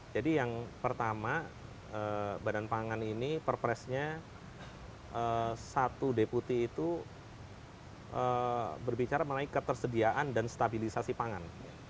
yang pertama badan pangan ini perpresnya satu deputi itu berbicara mengenai ketersediaan dan stabilisasi pangan